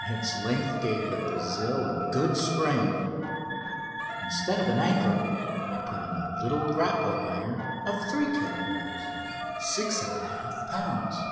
its length gave the "Brazil" a good spring. Instead of an anchor I put in a little grappling iron of 3 kilogrammes (6 1/2 lbs.).